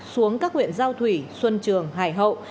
xuống các huyện giao thủy xuân trường hải hậu